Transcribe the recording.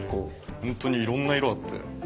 ほんとにいろんな色あって。